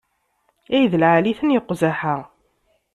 Ay d lεali-ten iqzaḥ-a!